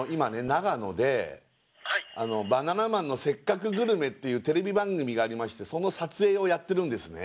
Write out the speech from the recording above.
長野で「バナナマンのせっかくグルメ！！」っていうテレビ番組がありましてその撮影をやってるんですね